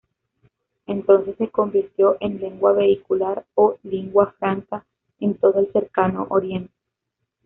Entonces se convirtió en lengua vehicular o "lingua franca" en todo el Cercano Oriente.